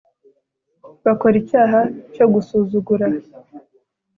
bakora icyaha cyo gusuzugura